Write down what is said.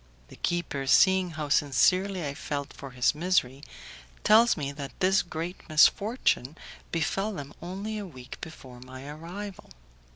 The keeper, seeing how sincerely I felt for his misery, tells me that this great misfortune befell them only a week before my arrival.